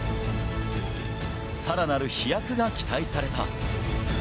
さらなる飛躍が期待された。